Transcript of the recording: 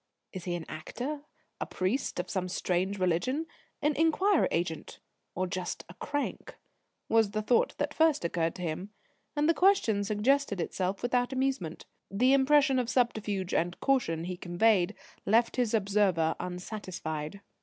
"Is he an actor, a priest of some strange religion, an enquiry agent, or just a crank?" was the thought that first occurred to him. And the question suggested itself without amusement. The impression of subterfuge and caution he conveyed left his observer unsatisfied.